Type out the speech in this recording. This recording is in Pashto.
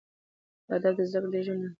د ادب زده کړه، د ژوند زده کړه ده.